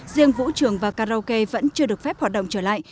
riêng vũ trường và karaoke vẫn chưa được phép hoạt động trở lại